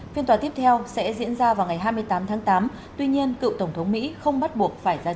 phiên tòa tiếp theo sẽ diễn ra vào ngày hai mươi tám tháng tám tuy nhiên cựu tổng thống mỹ không bắt buộc phải ra sức